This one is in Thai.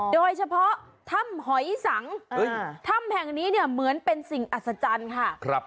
โดยเฉพาะถ้ำหอยสังถ้ำแห่งนี้เนี่ยเหมือนเป็นสิ่งอัศจรรย์ค่ะ